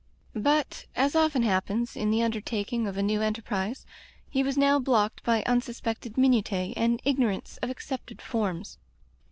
But, as often happens in the undertaking of a new enterprise, he was now blocked by unsuspected minutiae and ignorance of ac cepted forms.